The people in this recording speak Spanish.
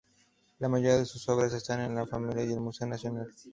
La mayoría de sus obras están en la familia y en el Museo Nacional.